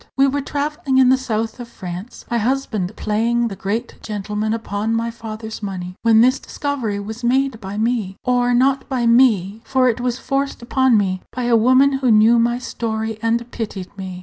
We were travelling in the south of France, my husband playing the great gentleman upon my father's money, when this discovery was made by me or not by me; for it was forced upon me by a woman who knew my story and pitied me.